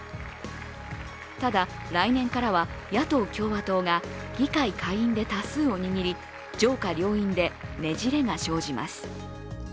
ただ、来年からは野党・共和党が議会下院で多数を握り、上下両院でねじれが生じます。